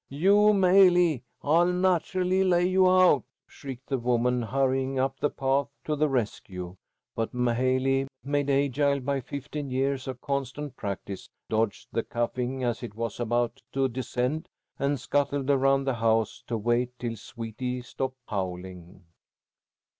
"You M'haley, I'll natcherly lay you out," shrieked the woman, hurrying up the path to the rescue. But M'haley, made agile by fifteen years of constant practice, dodged the cuffing as it was about to descend, and scuttled around the house to wait till Sweety stopped howling.